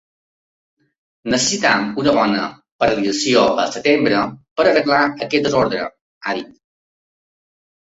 “Necessitem una bona ‘paralització’ al setembre per arreglar aquest desordre!”, ha dit.